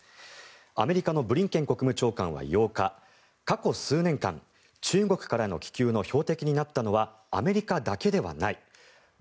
アメリカのブリンケン国務長官は８日、過去数年間中国からの気球の標的になったのはメディアだけではない５